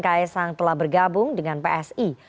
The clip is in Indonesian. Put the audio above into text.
ks sang telah bergabung dengan psi